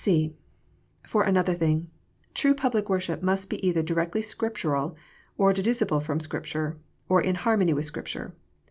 (c) For another thing, true public worship must be either directly Scriptural, or deducible from Scripture, or in harmony with Scripture.